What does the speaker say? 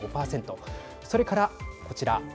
それからこちら。